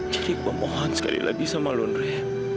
jadi gue mohon sekali lagi sama lu nure